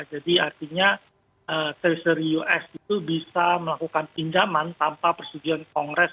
jadi artinya treasury us itu bisa melakukan pinjaman tanpa persetujuan kongres